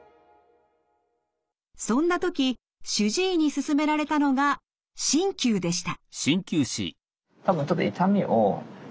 そんな時主治医に勧められたのが鍼灸でした。